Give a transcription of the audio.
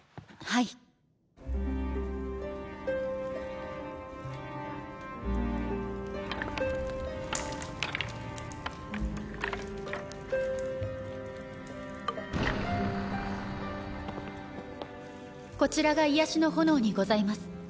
・ガチャこちらが癒しの炎にございます。